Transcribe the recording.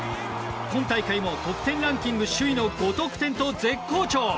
今大会も得点ランキング首位の５得点と絶好調。